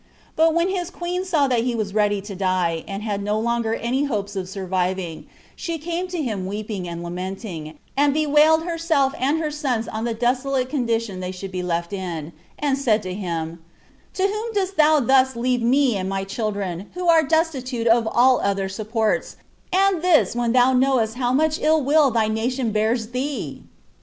But when his queen saw that he was ready to die, and had no longer any hopes of surviving, she came to him weeping and lamenting, and bewailed herself and her sons on the desolate condition they should be left in; and said to him, "To whom dost thou thus leave me and my children, who are destitute of all other supports, and this when thou knowest how much ill will thy nation bears thee?"